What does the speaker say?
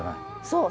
そう。